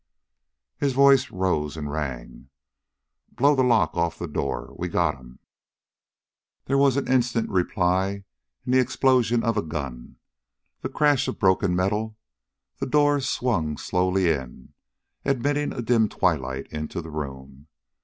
His voice rose and rang. "Blow the lock off'n that door. We got him!" There was an instant reply in the explosion of a gun, the crash of broken metal, the door swung slowly in, admitting a dim twilight into the room.